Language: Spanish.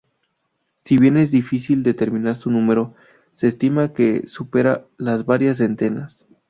Si bien es difícil determinar su número, se estima que supera las varias centenas.